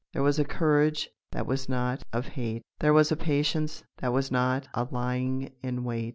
There was a courage that was not of hate. There was a patience that was not a lying in wait.